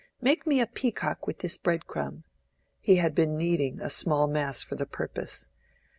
"Make me a peacock with this bread crumb." He had been kneading a small mass for the purpose.